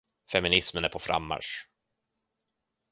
Feminismen är på frammarsch.